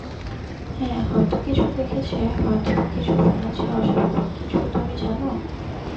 হ্যা, হয়তো কিছু দেখেছে হয়তো বা কিছু শুনেছে অস্বাভাবিক কিছু, তুমি জানো?